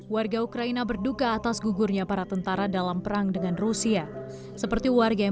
warga ukraina berduka atas gugurnya para tentara dalam perang dengan rusia seperti warga yang